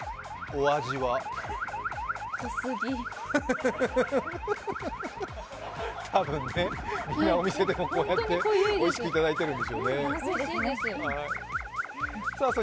多分、みんなお店でもこうやっておいしくいただいているんでしょうね。